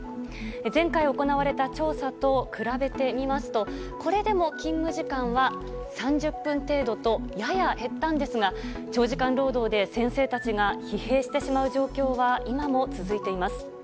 前回行われた調査と比べてみますとこれでも勤務時間は３０分程度とやや減ったんですが長時間労働で先生たちが疲弊してしまう状況は今も続いています。